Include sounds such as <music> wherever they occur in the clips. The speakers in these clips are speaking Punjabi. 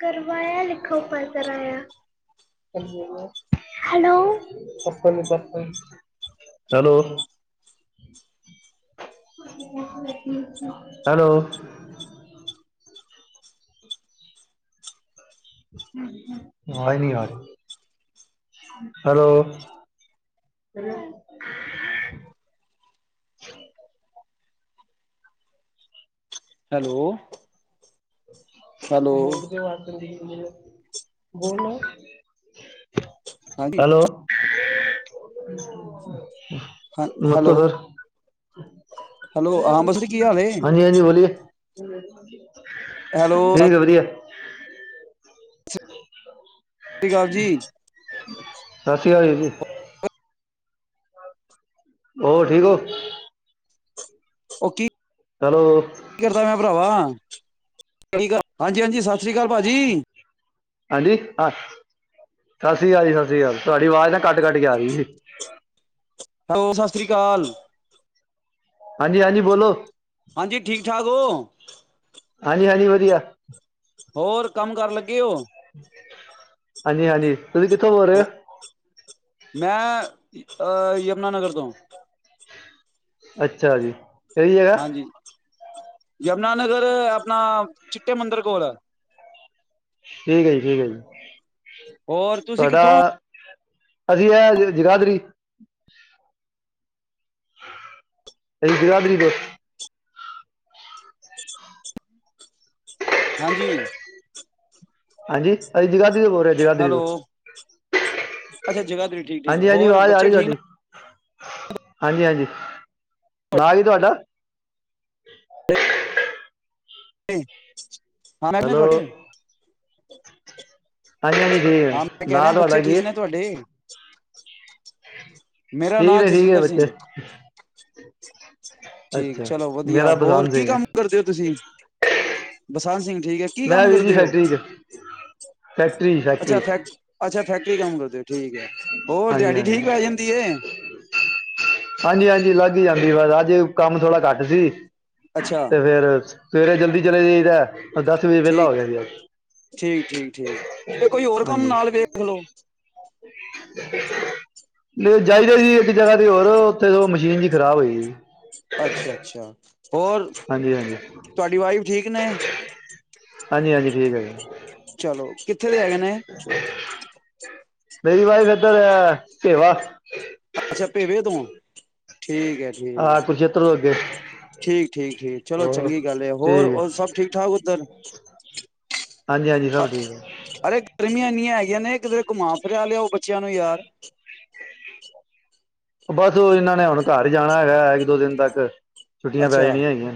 <unintelligible> ਹੈਲੋ ਹੈਲੋ ਹੈਲੋ ਅਵਾਜ ਨਹੀਂ ਆ ਰਹੀ ਹੈਲੋ ਹੈਲੋ ਹੈਲੋ <unintelligible> ਬੋਲ ਹਾਂਜੀ ਹੈਲੋ <unintelligible> ਨਮਸਤੇ ਹੈਲੋ ਸਰ ਹੈਲੋ ਹਾਂ <unintelligible> ਕੀ ਹਾਲ ਹਾਂਜੀ ਬੋਲੀਏ ਹਾਂਜੀ ਹੈਲੋ ਠੀਕ ਆ ਸਤਿ ਵਧੀਆ ਸਤਿ ਸ਼੍ਰੀ ਅਕਾਲ ਜੀ ਸਤਿ ਸ਼੍ਰੀ ਅਕਾਲ ਜੀ ਹੋਰ ਠੀਕ ਹੋ ਉਹ ਕੀ ਹੈਲੋ ਕੀ ਕਰਦਾ ਮੈਂ ਭਰਾਵਾ ਸਹੀ ਗੱਲ ਹਾਂਜੀ ਹਾਂਜੀ ਸਤ ਹਾਂਜੀ ਹਾਂ ਸਤਿ ਸ੍ਰੀ ਅਕਾਲ ਜੀ ਸਤਿ ਸ੍ਰੀ ਅਕਾਲ ਤੁਹਾਡੀ ਆਵਾਜ਼ ਨਾ ਕੱਟ ਕੱਟ ਕੇ ਆ ਰਹੀ ਸੀ ਹੈਲੋ ਸਤਿ ਸ੍ਰੀ ਅਕਾਲ ਹਾਂਜੀ ਹਾਂਜੀ ਬੋਲੋ ਹਾਂਜੀ ਠੀਕ ਠਾਕ ਹੋ ਹਾਂਜੀ ਹਾਂਜੀ ਵਧੀਆ ਹੋਰ <unintelligible> ਹਾਂਜੀ ਹਾਂਜੀ ਤੁਸੀਂ ਕਿੱਥੋਂ ਬੋਲ ਰਹੇ ਹੋ ਮੈਂ ਯਮੁਨਾਾਨਗਰ ਤੋਂ ਅੱਛਾ ਜੀ ਜਗ੍ਹਾ ਹਾਂਜੀ ਯਮੁਨਾਨਗਰ ਆਪਣਾ ਚਿੱਟੇ ਮੰਦਿਰ ਕੋਲ ਹੈ ਠੀਕ ਗਈ ਠੀਕਈ ਹੋਰ ਤੁਸੀਂ ਕਿੱਥੋਂ ਅਸੀਂ ਆ ਜਰਾਦਰੀ ਅਸੀਂ ਜਰਾਦਰੀ ਦੇ ਹਾਂਜੀ ਹਾਂਜੀ ਅਰੇ ਜਗਾਾ ਤੋਂ ਬੋ ਰਿਹਾ ਜਗਾਦਰੀ ਹੈਲੋ, ਤੋਂ ਅੱਛਾ ਜਗ੍ਹਾ ਤੇਰੀ ਠੀਕ ਠੀਕ ਹਾਂਜੀ ਹਾਂਜੀ ਹੋਰ ਆਵਾਜ਼ ਆ ਰਹੀ ਬੱਚੇ ਠੀਕ ਨਾ ਤੁਹਾਡੀ ਹਾਂਜੀ ਹਾਂਜੀ ਨਾਂ ਜ ਤੁਹਾਡਾ <unintelligible> ਹਾਂ ਹੈਲੋ <unintelligible> ਹਾਂਜੀ ਹਾਂਜੀ ਹਾਂ ਮੈਂ ਠੀਕ ਕਹਿ ਰਿਹਾ ਨਾ ਤੁਹਾਡਾ ਬੱਚੇ ਠੀਕ ਕੀ ਨੇ ਤੁਹਾਡੇ? ਮੇਰਾ ਠੀਕ ਨਾਂ ਹੈ ਠੀਕ ਹੈ ਜਸਵਿੰਦਰ ਸਿੰਘ ਬੱਚੇ ਠੀਕ ਅੱਛਾ ਚਲੋ ਵਧੀਆ ਮੇਰਾ ਹੋਰ ਬਸੰਤ ਕੀ ਸਿੰਘ ਹੈ ਕੰਮ ਕਰਦੇ ਹੋ ਤੁਸੀਂ ਬਸੰਤ ਸਿੰਘ ਠੀਕ ਹੈ ਕੀ ਮੈਂ ਕੰਮ ਵੀਰੀ ਕਰਦੇ ਹੋ ਫੈਕਟਰੀ ਚ ਫੈਕ ਅੱਛਾ ਫੈਕ ਅੱਛਾ ਫੈਕਟਰੀ ਕੰਮ ਕਰਦੇਓ ਠੀਕ ਹੈ ਹੋਰ ਹਾਂਜੀ ਦਿਹਾੜੀ ਹਾਂਜੀ ਠੀਕ ਪੈ ਜਾਂਦੀ ਹੈ ਹਾਂਜੀ ਹਾਂਜੀ ਲੱਗ ਹੀ ਜਾਂਦੀ ਬਸ ਅੱਜ ਕੰਮ ਥੋੜਾ ਘੱਟ ਸੀ ਅੱਛਾ ਤੇ ਫੇਰ ਸਵੇਰੇ ਜਲਦੀ ਚਲੇ ਜਾਈਦਾ ਦਸ ਵਜੇ ਵਿਹਲਾ ਹੋ ਠੀਕ ਗਿਆ ਸੀ ਅੱਜ ਠੀਕ ਠੀਕ ਠੀਕ ਤੇ ਕੋਈ ਹੋਰ ਕੰਮ ਹਾਂਜੀ ਨਾਲ ਵੇਖ ਲਓ ਨਹੀਂ ਜਾਈਦਾ ਸੀ ਇੱਕ ਜਗ੍ਹਾ ਤੇ ਹੋਰ ਉੱਥੇਦ ਮਸ਼ੀਨ ਜੀ ਖਰਾਬ ਹੋਈ ਸੀ ਅੱਛਾ ਅੱਛਾ ਹੋਰ ਹਾਂਜੀ ਹਾਂਜੀ ਤੁਹਾਡੀ ਵਾਈਫ ਠੀਕ ਨੇ ਹਾਂਜੀ ਹਾਂਜੀ ਠੀਕ ਹੈ ਜੀ ਚਲੋ ਕਿੱਥੇ ਦੇ ਹੈਗੇ ਨੇ ਬਰੀ ਬਾਈ ਫਤਰ ਕੇਵਾ ਅੱਛਾ ਭੇਵੇ ਤੌ ਠੀਕ ਹੈ ਠੀਕ ਹੈ ਕੁਰਸ਼ੇਤਰ ਤੋਂ ਅੱਗੇ ਠੀਕ ਠੀਕ ਠੀਕ ਚਲੋ ਹੋਰ ਚੰਗੀ ਗੱਲ ਹੋਰ ਠੀਕ ਹੈ ਸਭ ਠੀਕ ਠਾਕ ਉੱਧਰ <inaudible> ਹਾਂਜੀ ਹਾਂਜੀ ਸਭ ਠੀਕ ਅਰੇ ਹੈ ਗਰਮੀਆਂ ਇੰਨੀਆਂ ਹੈਗੀਆਂ ਨੇ ਕਿਧਰੇ ਘੁਮਾ ਫਿਰਿਆ ਲਿਆਓ ਬੱਚਿਆਂ ਨੂੰ ਯਾਰ ਬਸ ਉਹ ਇਹਨਾਂ ਨੇ ਹੁਣ ਘਰ ਹੀ ਜਾਣਾ ਹੈਗਾ ਇੱਕ ਦੋ ਦਿਨ ਤੱਕ ਛੁੱਟੀਆਂ ਪੈ ਅੱਛਾ ਜਾਣੀਆਂ ਹੈਗੀਆਂ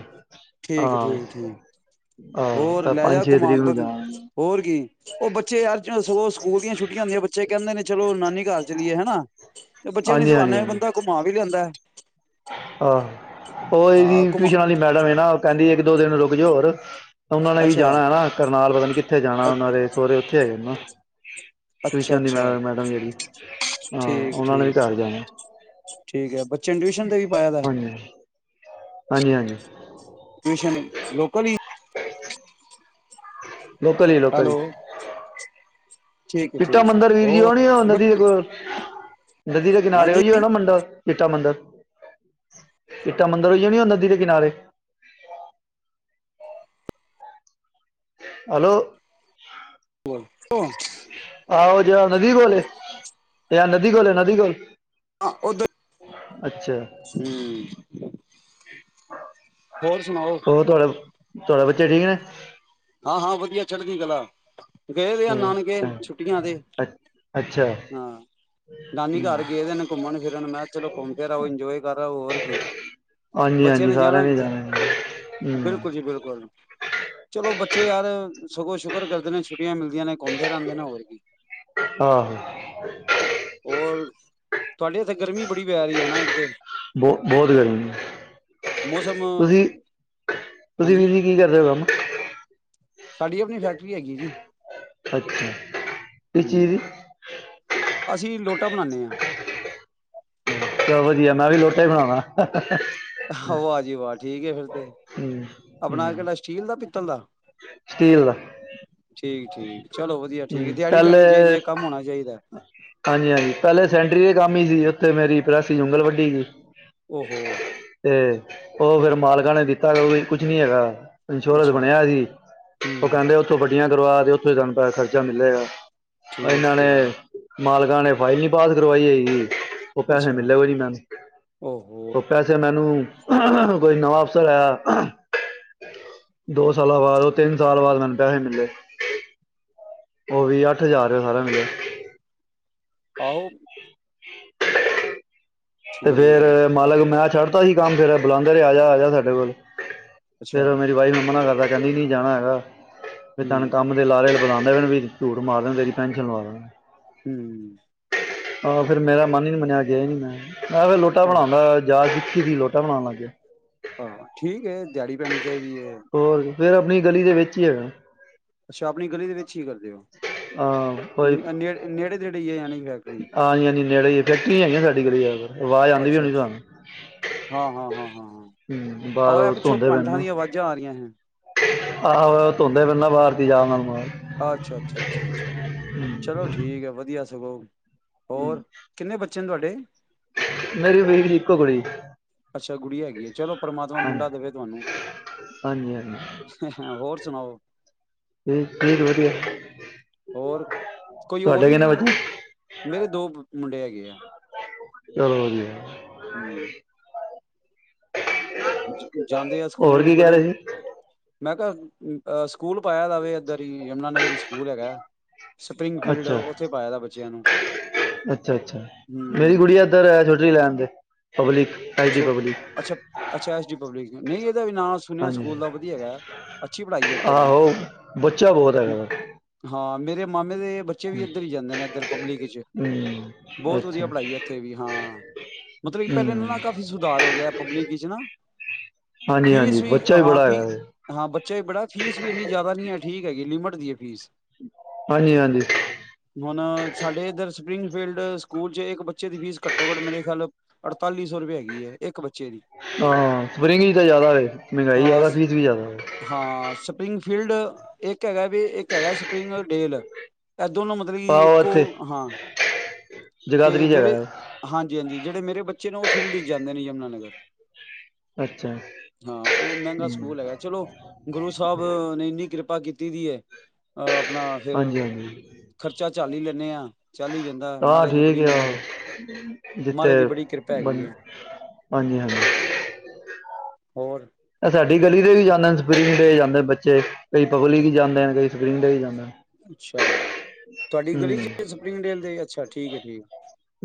ਠੀਕ ਹਾਂ ਠੀਕ ਠੀਕ ਹੋਰ ਹਾਂ ਲੈ ਪੰਜ ਜਾ ਛੇ ਘੁਮਾ ਤਰੀਕ ਨੂੰ ਜਾਣਾ ਹੋਰ ਕੀ ਉਹ ਬੱਚੇ ਯਾਰ ਸਕੂਲ ਦੀਆਂ ਛੁੱਟੀਆਂ ਹੁੰਦੀਆਂ ਬੱਚੇ ਕਹਿੰਦੇ ਨੇ ਚਲੋ ਨਾਨੀ ਘਰ ਚਲੀਏ ਹਨਾ ਤੇ ਬੱਚਿਆਂ ਨੀ ਸਿਵਾਾਨੇ ਬੰਦਾ ਘੁਮਾ ਵੀ ਲੈਂਦਾ ਆਹ ਉਹ ਹਾਂ ਇਹਦੀ ਘੁਮਾ ਟਿਊਸ਼ਨ ਵਾਲੀ ਮੈਡਮ ਹੈ ਨਾ ਕਹਿੰਦੀ ਇੱਕ ਦੋ ਦਿਨ ਰੁਕ ਜਾਓ ਹੋਰ ਉਹਨਾਂ ਨੇ ਹੀ ਅੱਛਾ ਜਾਣਾ ਹੈਾ ਕਰਨਾਲ ਪਤਾ ਨੀ ਕਿੱਥੇ ਜਾਣਾ ਉਹ ਦੇ ਸਹੁਰਰੇ ਉੱਥੇ ਹੈਗੇ ਉਹਨਾ ਅੱਛਾ ਸ਼ਨ ਦੀ ਮ ਅੱਛਾ ਮੈਡਮ ਜਿਹੜੀ ਹਾਂ ਠੀਕ ਉਹਨਾਂ ਨੇ ਵੀ ਠੀਕ ਘਰ ਜਾਣਾ ਠੀਕ ਹੈ ਬੱਚ ਚੰਡੀੂ ਤੇ ਵੀ ਪਾਇਆ ਦਾ ਹਾਂਜੀ ਹਾਂਜੀ ਹਾਂਜੀ ਸ਼ਨ ਲੋਕਲ ਹੀ ਲੋਕਲ ਜ ਲੋਕਲ ਹੀ ਹੈਲੋ ਠੀਕ ਹੈ ਚਿੱਟਾ ਠੀਕ ਮੰਦਿਰ ਵੀਰ ਜੀ ਹੋਰ ਉਹਣੀ ਨਦੀ ਦੇ ਕੋਲ ਨਦੀ ਦੇ ਕਿਨਾਰੇ ਹਾਂਜੀ ਹੀ ਹੋ ਨਾ ਮੰਡਾ ਇੱਟਾ ਮੰਦਿਰ ਇੱਟਾ ਮੰਦਿਰ ਹੋਆ ਨਹੀਂ ਉਹ ਨਦੀ ਦੇ ਕਿਨਾਰੇ ਹੈਲੋ ਹੋਣ ਹ ਆਹੋ ਜਿ ਨਦੀ ਕੋਲ ਯਾਰ ਨਦੀ ਕੋਲ ਨਦੀ ਕੋਲ ਹ ਉਧਰ ਅੱਛਾ ਹਮ ਹੋਰ ਸੁਣਾਓ ਤੁਹਾਡਾ ਬੱਚੇ ਠੀਕ ਨੇ ਹਾਂ ਹਾਂ ਵਧੀਆ ਛੱਡ ਗਈ ਗਲਾ ਗਏ ਦੇ ਆ ਨਾਨਕੇ ਹੂੰ ਛੁੱਟੀਆਂ ਤੇ ਅੱਛਾ ਅੱਛਾ ਹਾਂ ਨਾਨੀ ਘਰ ਗਏਦੇ ਨੇ ਘੁੰਮਣ ਫਿਰਨ ਮੈਂ ਕਿਹਾ ਚਲੋ ਘੁੰਮ ਫਿਰ ਆਓ ਇੰਜੋਏ ਕਰ ਹੋਰ ਕੀ ਹਾਂਜੀ ਬੱਚਿਆਂ ਹਾਂਜੀ ਨੇ ਸਾਰਿਆਂ ਜਾਣਾ ਕਿਥੇ ਬਿਲਕੁਲ ਜੀ ਹੂੰ ਬਿਲਕੁਲ ਚਲੋ ਬੱਚੇ ਯਾਰ ਸਗੋਂ ਸ਼ੁਕਰ ਕਰਦੇ ਨੇ ਸ਼ੁਰ ਟੀਆਂ ਮਿਲਦੀਆਂ ਨੇ ਘੁੰਮ ਫੇਿਰ ਆਦੇ ਨੇ ਹੋਰ ਕੀ ਆਹੋ ਹੋਰ ਤੁਹਾਡੇ ਇੱਥੇ ਗਰਮੀ ਬੜੀ ਪੈ ਰਹੀ ਹੈ ਨਾ ਇੱਕ ਤੇ ਬਹੁ ਬਹੁਤ ਗਰਮੀ ਹੈ ਮੌਸਮ ਤੁਸੀਂ ਹਾਂਜੀ ਹ ਸਾਡੀ ਆਪਣੀ ਫੈਕਟਰੀ ਹੈਗੀ ਹੈ ਜੀ ਅੱਛਾ ਇਹ ਹਮ ਚੀਜ਼ ਅਸੀਂ ਲੋਟਾ ਬਣਾਉਦੇ ਹਾਂ ਚ ਵਧੀਆ ਮੈਂ ਵੀ ਲੋੋਟਾ ਹੀ ਬਣਾਉਵਣਾ ਆਹ ਵਾਹਜੀ ਵਵਾਾਹ ਠੀਕ ਆ ਫੇਰ ਤੇ ਹੂੰ ਆਪਣਾ ਹੂੰ ਕਿਹਿੰਾ ਸਟੀਲ ਦਾ <unintelligible> ਸਟੀਲ ਦਾ ਹਮ ਠੀਕ ਠੀਕ ਚਲੋ ਵਧੀਆ ਠੀਕ ਦਿਹਾੜੀ ਪਹਿਲੇ ਪੈਣੀ ਚਾਹੀਦੀ ਹੈ ਕੰਮ ਹੋਣਾ ਚਾਹੀਦਾ ਹਾਂਜੀ ਹਾਂਜੀ ਪਹਿਲੇ ਸੈਂਟਰੀ ਦੇ ਕੰਮ ਹੀ ਸੀ ਉੱਥੇ ਮੇਰੀ ਰਾਤੀ ਉਗਲ ਵਡੀ ਗਈ ਉਹੌ ਤੇ ਉਹ ਫੇਿਰ ਮਾਲਕਾਂ ਨੇ ਦਿੱਤਾ ਉਹ ਵੀ ਕੁਛ ਨੀ ਹੈਗਾ ਇੰਸ਼ੋਰੈਂਸ ਅੱਛਾ ਬਣਿਆ ਸੀ ਉਹ ਹਮ ਕਹਿੰਦੇ ਉੱਥੋਂ ਵੜੀ ਗ ਕਰਵਾ ਤੇ ਉੱਥੋਂ ਹੀ ਸਾਨੂੰ ਪੈਸ ਖਰਚਾ ਮਿਲਲੇਗਾ ਠੀਕ ਠੀਕ ਜ ਮਾਲਕਾਂ ਨੇ ਫਾਈਲ ਨਹੀਂ ਪਾਸ ਕਰਵਾਈ ਹੈਗੀ ਉਹ ਪੈਸੇ ਅੱਛਾ ਮਿਲੇ ਹੋ ਨੀ ਮੈਨੂੰ ਓਹੋ ਉਹ ਪੈਸੇ ਮੈਨੂੰ ਕੋਈ ਨਵਾਂ ਅਫਸਰ ਆਇਆ ਦੋ ਸਾਲ ਬਾਦੋ ਤਿੰਨ ਸਾਲ ਬਾਦ ਮੈਨੂੰ <unintelligible> ਉਹ ਵੀ ਅੱਠ ਹਜ਼ਾਰਆ ਸਾਰਾ ਮਿਲਿਆ ਆਹੋ ਤੇ ਠੀਕ ਹੈ ਫੇਰ ਮਾਲਕ ਮੈਂ ਛੱਡ ਤਾਂ ਹੀ ਸੀ ਕੰਮ ਫਿਰ ਬੁਲਾਉਂਦੇਹੇ ਆ ਜਾ ਆ ਜਾ ਸਾਡੇ ਕੋਲ ਅੱਛਾ ਫੇਰ ਮੇਰੀ ਵਾਈ ਮ ਮਨਾ ਕਰਦਾ ਕਦੀ ਨੀ ਜਾਣਾ ਹੈਗਾ ਵੀ ਤਨ ਹਮ ਕੰਮ ਦੇ ਲਾਲਲ ਬੁਲਾਉਂ ਨਵਨ ਵੀੀਰ ਝੂਟ ਮਾਰ ਦੇ ਤੇਰੀ ਪੈਨਸ਼ਲ ਮਾਰ ਹਮ ਹ ਫਿਰ ਮੇਰਾਨ ਹੀ ਨਹੀਂ ਮੰਨਿਆ ਗਿਆ ਹੀ ਨਹੀਂ ਮੈਂ ਮੈਂ ਫਿਰ ਲੋਟਾ ਉਹ ਬਣਾਉਂਦਾ ਜਾਚ <unintelligible> ਆਹੋ ਠੀਕ ਹੈ ਦਿਹਾੜੀ ਪੈਣੀ ਚਾਹੀਦੀ ਹੈ ਫਿਰ ਆਪਣੀ ਗਲੀ ਦੇ ਵਿੱਚ ਹੀ ਹੈਗਾ ਅੱਛਾ ਆਪਣੀ ਗਲੀ ਦੇ ਵਿੱਚ ਹੀ ਕਰਦੇ ਹੋ ਹਾਂ ਕੋਈ ਨੇੜੇ ਨੇੜੇ ਨੇੜੇ ਅਨ ਫਕਰੀ ਨੜ ਫੈਕਟਰੀ ਹੈਗ ਸਾਡੀ ਕੋਲ ਅੱਛਾ ਅੱਛਾ ਹਾਂ ਹਾਂ ਹਾਂ ਹਾਂ ਹਾਂ ਹੂੰ ਆ ਇਹ ਬਾਹਰੋਂ ਪਿੱਛੋਂ ਧੋਂਦੇ ਪਏ ਪੰਠਾਂ ਨਾ ਦੀ ਆਵਾਜਾਂ ਆ ਰਹੀਆਂ ਹੈ ਆਹੋ ਧੋਂਦੇ ਪਹਦਾ ਬਾਹਰਤੀ ਜਾ ਮੈਨੂੰ ਅੱਛਾ ਅੱਛਾ ਅੱਛਾ ਅੱਛਾ ਚਲੋ ਠੀਕ ਹੈ ਵਧੀਆ ਸਭੋਂ <unintelligible> ਹੋਰ ਕਿੰਨੇ ਬੱਚੇ ਬੱਚੇ ਤੁਹਾਡੇ ਮੇਰੀ ਵੀਲੀ ਇੱਕੋ ਕੁੜੀ <unintelligible> ਅੱਛਾ ਗੁੜਿਆ ਹੈਗੀ ਆ ਚਲੋ ਪਰਮਾਤਮਾ ਹਾਂਜੀ ਮੁੰਡਾ ਦੇਵੇ ਤੁਹਾਨੂੰ ਹਾਂਜੀ ਹਾਂਜੀ ਹੋਰ ਸੁਣਾਓ ਠੀਕ ਠੀਕ ਵਧੀਆ ਹੋਰ ਕੋਈ ਹੋਰ ਤੁਹਾਡੇ ਵੀ ਕਿੰਨੇ ਬੱਚੇ ਮੇਰੇ ਦੋ ਮੁੰਡੇ ਹੈਗੇ ਆ ਚਲੋ ਵਧੀਆ ਹਮ <unintelligible> ਹਾਂਜੀ <unintelligible> ਜਾਂਦੇ ਆ ਹੋਰ ਸਕੂਲ ਕੀ ਕਹਿ ਬੜੇ ਰਹੇ ਸੀ ਮੈਂ ਅ ਸਕੂਲ ਪਾਇਆ ਦਾ ਇੱਧਰ ਯਮੁਨਾਨਗਰ ਸਕੂਲ ਹੈਗਾ ਸਪਰਿੰਗ ਫੀਲਡ ਅੱਛਾ ਉੱਥੇ ਪਾਇਆ ਦਾ ਬੱਚਿਆਂ ਨੂੰ ਅੱਛਾ ਅੱਛਾ ਮੇਰੀ ਹਮ ਗੁੜੀਆ ਇੱਧਰ ਹੈ ਛੋਟੀ ਲੈਣ ਦੇ ਪਬਲਿਕ ਆਈ ਟੀ ਪਬਲਿਕ ਅੱਛਾ ਅੱਛਾ ਐਸ ਡੀ ਪਬਲਿਕ ਨਹੀਂ ਦਾ ਵੀ ਨਾਂ ਸੁਣਿਆ ਹਾਂਜੀ ਸਕੂਲ ਦਾ ਵਧੀਆ ਹੈਗਾ ਅੱਛੀ ਪੜ੍ਹਾਈ ਹੈ ਇੱਧਰ ਵੀ ਆਹੋ ਬੱਚਾ ਬਹੁਤ ਹੈਗਾ ਵਾ ਹਾਂ ਮੇਰੇ ਮਾਮੇ ਦੇ ਬੱਚੇ ਵੀ ਇੱਧਰ ਹੀ ਜਾਂਦੇ ਨੇ ਇੱਧਰ ਪਬਲਿਕ ਚ ਹੂੰ ਬਹੁਤ ਵਧੀਆ ਅੱਛਾ ਪੜ੍ਹਾਈ ਹੈ ਇੱਥੇ ਵੀ ਹਾਂ ਮਤਲਬ ਕਿ ਪਹਿਲੇ ਹੂੰ ਨਾ ਕਾਫੀ ਸੁਧਾਰ ਹੋ ਗਿਆ ਪਬਿਕ ਨਾ ਹਾਂਜੀ ਹਾਂਜੀ ਫੀਸ ਵੀ ਬੱਚਾ ਹਾਂ ਬੜਾ ਹੈਗਾ ਵੇ ਹਾਂ ਬੱਚਾ ਵੀ ਬੜਾ ਫੀਸ ਵੀ ਇਨੀ ਜ਼ਿਆਦਾ ਨਹੀਂ ਹੈ ਠੀਕ ਹੈਗੀ ਲਿਮਟ ਦੀ ਹੈ ਫੀਸ <unintelligible> <unintelligible> ਹਾਂਜੀ ਹਾਂਜੀ ਹੁਣ ਸਾਡੇ ਇੱਧਰ ਸਪਰਿੰਗ ਫੀਲਡ ਸਕੂਲ ਚ ਇੱਕ ਬੱਚੇ ਦੀ ਫੀ ਘੱਟੋ ਘੱਟ ਮੇਰੇ ਖਿਆਲ ਅੜਤਾਲੀਸ ਸੌ ਰੁਪਏ ਹੈਗੀ ਹੈ ਇੱਕ ਬੱਚੇ ਦੀ ਹਾਂ ਸਪਰਿੰਗ ਤਾਂ ਜ਼ਿਆਦਾ ਹੋ ਮਹਿੰਗਾਈ ਹਾਂ ਜ਼ਿਆਦਾ ਫੀਸ ਵੀ ਜ਼ਿਆਦਾ ਹੋਵੇ ਹਾਂ ਸਪਰਿੰਗ ਫੀਲਡ ਇੱਕ ਹੈਗਾ ਵੀ ਇੱਕ ਹੈਗਾ ਸਪਰਿੰਗ ਡੇਲ ਇਹ ਦੋਨੋਂ ਮਤਲਬ ਕਿ ਆਹੋ ਇੱਕੋ ਇੱਥੇ ਤੇ ਜਗਾਦਰੀ 'ਚ ਹੈਗਾ ਮੇਰੇ ਵਾ। ਹਾਂਜੀ ਹਾਂਜੀ ਜਿਹੜੇ ਮੇਰੇ ਬੱਚੇ ਨੇ ਉਹ ਫੀਲਡ ਚ ਜਾਂਦੇ ਨੇ ਯਮਨਾਨਗਰ ਅੱਛਾ ਹਾਂ ਉਹ ਮਹਿੰਗਾ ਹੂੰ ਸਕੂਲ ਹੈਗਾ ਚਲੋ ਗੁਰੂ ਸਾਹਿਬ ਨੇ ਇੰਨੀ ਕਿਰਪਾ ਕੀਤੀ ਕੀਤੀ ਦੀ ਹੈ ਅਹ <unintelligible> ਆਪਣਾ ਫਿਰ ਹਾਂਜੀ ਹਾਂਜੀ ਖਰਚਾ ਚੱਲ ਹੀ ਲੈਂਦੇ ਹਾਂ ਚੱਲ ਹੀ ਜਾਂਦਾ ਮਹਾਰਾਜ ਮਿਹਰ ਆ ਆੋ ਜਿੱਥੇ ਮਹਾਰਾਜ ਦੀ ਬੜੀ ਕਿਰਪਾ ਹੈਗੀ ਹੈ ਹਾਂਜੀ ਹਾਂਜੀ ਹੋਰ ਸਾਡੀ ਗਲੀ ਤੇ ਵੀ ਜਾਂਦੇ ਨੇ ਸਪਰਿੰਗ ਤੇ ਜਾਂਦੇ ਬੱਚੇ ਕਈ ਪਗਲੀ ਵੀ ਜਾਂਦੇ ਕਈ ਸਕਰੀਨ ਦਾ ਹੀ ਜਾਂਦਾ ਅੱਛਾ ਤੁਹਾਡੀ ਗਲੀ ਚ ਹੂੰ ਸਪਰਿੰਗ ਡੇਲ ਦੇ ਅੱਛਾ ਠੀਕ ਠੀਕ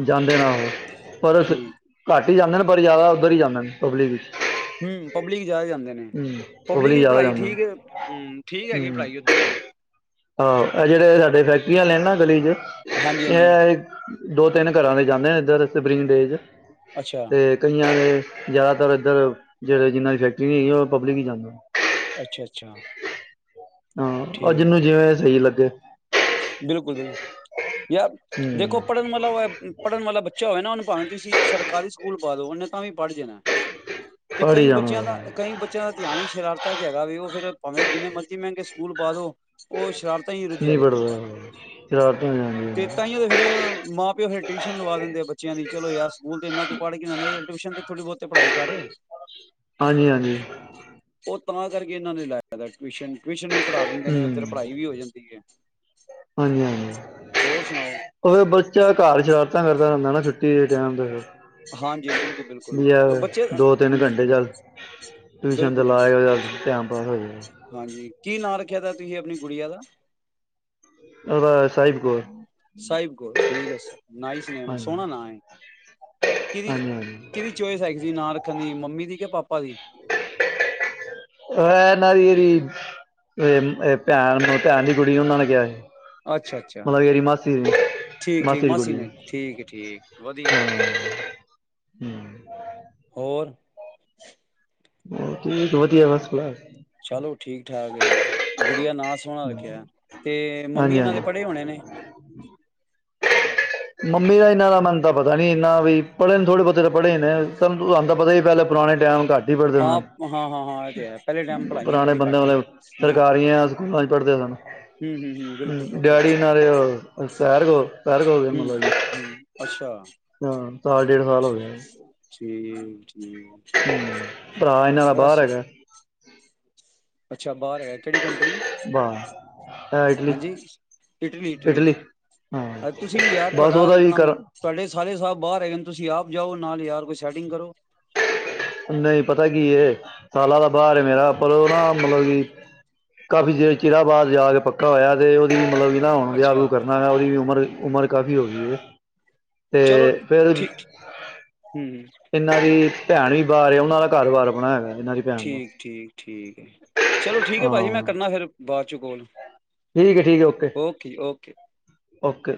ਜਾਂਦੇ ਨਾ ਹੋ ਪਰ ਠੀਕ ਘੱਟ ਹੀ ਜਾਂਦੇ ਨੇ ਪਰ ਜ਼ਿਆਦਾ ਉੱਧਰ ਹੀ ਜਾਂਦੇ ਨੇ ਪਬਲਿਕ ਵਿੱਚ ਹੂ ਪਬਲਿਕ ਚਾਹ ਜਾਂਦੇ ਨੇ ਹੂੰ ਪਬਲਿਕ ਦੀ ਜ਼ਿਆਦਾ ਪੜ੍ਹਾਈ ਜਾਂਦੇ ਠੀਕ ਹੈਗੀ ਪੜ੍ਹਾਈ ਉਧਰ ਵੀ ਹਾ ਇਹ ਜਿਹੜੇ ਸਾਡੇ ਫੈਕਟਰੀਆਂ ਆਲੇ ਨੇ ਗਲੀ 'ਚੋ ਹਾਂਜੀ ਹਾਂਜੀ ਹੈ ਦੋ ਤਿੰਨ ਘਰਾਂ ਦੇ ਜਾਂਦੇ ਇਧਰ ਸੁਪਰੀਮ ਡੇਜ ਅੱਛਾ ਤੇ ਕਈਆਂ ਦੇ ਜ਼ਿਆਦਾਤਰ ਇੱਧਰ ਜਿਹੜੇ ਜਿੰਨਾ ਦੀ ਫੈਕਟਰੀ ਨਹੀ ਹੈਗੀ ਉਹ ਪਬਲਿਕ ਹੀ ਜਾਂਦੇ ਅੱਛਾ ਅੱਛਾ <unintelligible> ਹਾ ਅੱਜ ਠੀਕ ਆ। ਨਹੀ ਕੀ ਲੱਗੇ ਬਿਲਕੁਲ ਬਿਲਕੁਲ ਜਾਅ ਜੇ ਕੋਈ ਹੂੰ ਪੜਨ ਮਤਲਬ ਪੜ੍ਨ ਵਾਲਾ ਬੱਚਾ ਹੋਏ ਨਾ ਭਾਏ ਤੁਸੀਂ ਸਰਕਾਰੀ ਸਕੂਲ ਪਾ ਦੋ ਉਹਨੇ ਤਾਂ ਵੀ ਪੜ੍ਹ ਜਾਣਾ ਤੇ ਪੜ੍ਹ ਹੀ ਕਈ ਬੱਚਿਆਂ ਦਾ ਜਾਣਾ ਕਈ ਬੱਚਿਆਂ ਦਾ ਧਿਆਨ ਈ ਸ਼ਰਾਰਤਾਂ ਚ ਹੈਗਾ ਵੀ ਉਹ ਫਿਰ ਭਾਵੇਂ ਜਿੰਨੇ ਮਰਜ਼ੀ ਮਹਿੰਗੇ ਸਕੂਲ ਪਾ ਦੋ ਉਹ ਸ਼ਰਾਰਤਾਂ ਹੀ ਰੁਜਿਆ ਨਹੀਂ ਵੇ ਪੜ੍ਹਦਾ ਸ਼ਰਾਰਤਾਂ ਹੋ ਜਾਂਦੀਆਂ ਤੇ ਨੇ ਤਾਹੀਓ ਫਿਰ ਮਾਂ ਪਿਓ ਫਿਰ ਟਿਊਸ਼ਨ ਲਵਾ ਦਿੰਦੇ ਆ ਬੱਚਿਆਂ ਦੀ ਚਲੋ ਯਾਰ ਸਕੂਲ ਤੇ ਇਨਾ ਤੂੰ ਪੜ੍ਹ ਕੇ ਲਦੇ ਟਿਊਸ਼ਨ ਤੇ ਥੋੜ੍ਹੀ ਬਹੁਤੇ ਪੜ੍ਹਾਈ ਕਰ ਹਾਂਜੀ ਹਾਂਜੀ ਉਤ ਤਾ ਕਰਕੇ ਇਹਨਾਂ ਨੇ ਲਾਇਆ ਟਵਿਸ਼ਨ ਦਿੰਦੇ ਨੇ ਹਮ ਤੇ ਪੜਾਈ ਵੀ ਹੋ ਜਾਦੀ ਏ ਹਾਂਜੀ ਹਾਂਜੀ ਓ ਫੇਰ ਬੱਚਾ ਘਰ ਸ਼ਰਾਰਤਾਂ ਕਰਦਾ ਹ ਨਾ ਛੁੱਟੀ ਦੇ ਟਾਈਮ ਤੇ ਫੇਰ ਹਾਂਜੀ ਬਿਲਕੁਲ ਬਿਲਕੁਲ ਬੱਚੇ ਦੋ ਹਮ ਤਿੰਨ ਘੰਟੇ ਹਮ ਚੱਲ ਟਿਊਸ਼ਨ ਤੇ ਬਿਲਕੁਲ ਜੀ ਲਾਇਓ ਚੱਲ ਬਿਲਕੁਲ ਟਾਈਮ ਪਾਸ ਹੋ ਜਾਏਗਾ ਹਾਂਜੀ ਕੀ ਨਾਂ ਰੱਖਿਆ ਤੁਹੀਂ ਆਪਣੀ ਗੁਡੀਆਂ ਦਾ ਉਹਦਾ ਸਾਹਿਬ ਕੌਰ ਸਾਹਿਬ ਕੌਰ ਠੀਕ ਹੈ ਨਾਈਸਨੇਮ ਹਾਂਜੀ ਸੋਹਣਾ ਨਾਂ ਹੈ ਕਿਹਦੀ ਹਾਂਜੀ ਹਾਂਜੀ ਕਿਹਦੀ ਚੋਇਸ ਹੈਗੀ ਸੀ ਨਾਂ ਰੱਖਣ ਦੀ ਮੰਮੀ ਮੰਮੀ ਦੀ ਕੇ ਪਾਪਾ ਦੀ ਇਹਨਾਂ ਦੀ ਜਿਹੜੀ ਭੈਣ ਭੈਣ ਦੀ ਕੁੜੀ ਉਹਨਾਂ ਨੇ ਕਿਹਾ ਸੀ ਅੱਛਾ ਅੱਛਾ ਮਤਲਬ ਇਹਦੀ ਮਾਸੀ ਦੀ ਠੀਕ ਠੀਕ ਮਾਸੀ ਦੀ ਠੀਕ ਠੀਕ ਵਧੀਆ ਹਾਂ <unintelligible> ਹੋਰ ਉਹਦੀ ਵਧੀਆ ਬਸ ਬਸ ਚਲੋ ਠੀਕ ਠਾਕ ਏ ਗੁੜੀਆ ਨਾਂ ਸੋਹਣਾ ਰੱਖਿਆ ਤੇ ਮੰਮੀ ਹਾਂਜੀ ਇਹਨਾਂ ਦੇ ਹਾਂਜੀ ਪੜ੍ਹੇ ਹੋਣੇ ਨੇ ਮੰਮੀ ਦਾ ਇਹਨਾਂ ਦਾ ਮੈਨੂੰ ਤਾਂ ਪਤਾ ਨਹੀਂ ਇਨਾ ਵੀ ਪੜ੍ਹਨ ਥੋੜੇ ਬਹੁਤੇ ਪੜ੍ਹੇ ਨੇ ਤਾਂ ਪਤਾ ਪਹਿਲੇ ਪੁਰਾਣੇ ਟਾਈਮ ਘੱਟ ਆਪ ਹਾਂ ਹਾਂ ਹਾਂ ਇਹ ਤੇ ਹੈ ਪਹਿਲੇ ਟਾਈਮ ਪੜ੍ਹਾਈਆਂ ਪੁਰਾਣੇ ਥੋੜ੍ਹੀ ਬੰਦੇ ਘੱਟ ਹੀ ਬਿਲਕੁਲ ਸਰਕਾਰੀ ਆ ਸਕੂਲਾਂ ਚ ਪੜ੍ਹਦੇ ਆ ਹੂੰ ਹੂੰ ਹੂੰ ਬਿਲਕੁਲ ਸਾਨੂੰ ਬਿਲਕੁਲ ਡੈਡੀ ਨਾਲ ਹਮ ਹਮ ਅੱਛਾ ਹਾਂ ਸਾਲ ਡੇਢ ਸਾਲ ਹੋ ਗਿਆ ਠੀਕ। ਹਮ। ਭਰਾ ਇਹਨਾਂ ਦਾ ਬਾਹਰ ਹੈਗਾ। ਅੱਛਾ ਬਾਹਰ ਹੈਗਾ ਕਿਹੜੀ ਕੰਟਰੀ ਬਾਹਰ ਇਹ ਇਟਲੀ ਹਾਂਜੀ ਇਟਲੀ ਇਟਲੀ ਹਾਂ ਤੁਸੀਂ ਵੀ ਯਾਰ ਬਸ ਉਹਦਾ ਤੁਹਾਡਾ ਵੀ ਨਮ ਕਰ ਤੁਹਾਡੇ ਸਾਰੇ ਸਾਹਿਬ ਬਾਹਰ ਹੈਗੇ ਨੇ ਤੁਸੀਂ ਆਪ ਜਾਓ ਨਾਲ ਯਾਰ ਕੁਛ ਸਟਾਰਟਿੰਗ ਕਰੋ। ਨਹੀਂ ਪਤਾ ਕੀ ਇਹ ਸਾਲਾਂ ਦਾ ਬਰ ਮੇਰਾ ਪ੍ਰੋਗਰਾਮ। ਮਤਲਬ ਕਿ ਕਾਫ਼ੀ ਦੇਰ ਚਿਰਾ ਬਾਅਦ ਜਾ ਕੇ ਪੱਕਾ ਹੋਇਆ ਤੇ ਉਹਦੀ ਮਤਲਬ ਕਿ ਹੁਣ ਵਿਆਹ ਅੱਛਾ ਵਿਹ ਕਰਨਾ ਹੈਾ ਉਹਦੀ ਉਮਰ ਉਮਰ ਕਾਫ਼ੀ ਹੋ ਗਈ ਹੈ। ਚਲੋ ਤੇ ਫਿਰ ਠੀਕ। ਤੇ ਭੈਣ ਵੀ ਬਾਹਰ ਆ ਉਹਨਾਂ ਦਾ ਘਰ ਬਾਹਰ ਠੀਕ ਠੀਕ ਠੀਕ ਹੈ ਚਲੋ ਠੀਕ ਹੈ ਭਾਜੀ ਮੈਂ ਹਾਂ ਕਰਨਾ ਫਿਰ ਬਾਅਦ ਚ ਕੋਲ ਠੀਕ ਹੈ। ਠੀਕ ਹੈ ਓਕੇ ਓਕੇ। ਓਕੇ।